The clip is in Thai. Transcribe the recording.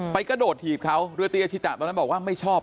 กระโดดถีบเขาเรือตีอาชิตะตอนนั้นบอกว่าไม่ชอบ